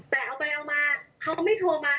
แต่เอาไปเอามาเขาไม่โทรมา